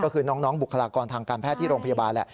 คือน้องวูคลากรทางการแพทย์ที่โรงพยาบาล